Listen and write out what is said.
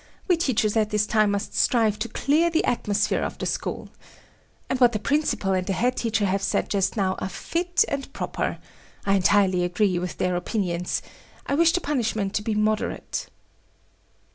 We teachers at this time must strive to clear the atmosphere of the school. And what the principal and the head teacher have said just now are fit and proper. I entirely agree with their opinions. I wish the punishment be moderate."